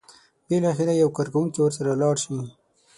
بالاخره یو کارکوونکی ورسره لاړ شي.